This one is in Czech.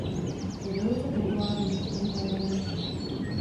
Je velice populární v Číně a Japonsku.